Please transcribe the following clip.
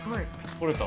取れた。